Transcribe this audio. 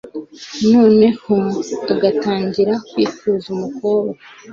noneho agatangira kwifuza umukobwa